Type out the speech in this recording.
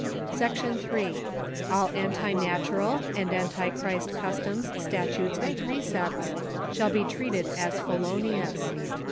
Section III. All anti natural and anti Christ customs, statutes and precepts shall be treated as felonious.